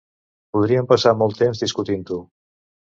Podríem passar molt temps discutint-ho.